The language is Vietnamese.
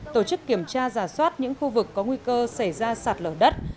tổ chức kiểm tra giả soát những khu vực có nguy cơ xảy ra sạt lở đất